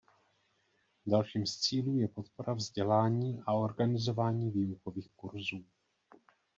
Dalším z cílů je podpora vzdělání a organizování výukových kurzů.